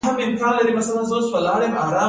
روژه د صبر درس دی